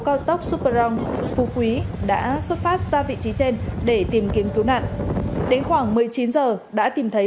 cốc superong phú quý đã xuất phát ra vị trí trên để tìm kiếm cứu nạn đến khoảng một mươi chín h đã tìm thấy